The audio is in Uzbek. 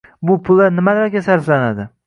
Bu pullar nimalarga sarflanadi?